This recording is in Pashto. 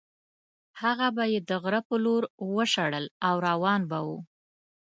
هغه به یې د غره په لور وشړل او روان به وو.